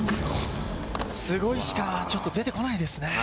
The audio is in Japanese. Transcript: すごいしか、ちょっと出てこないですね。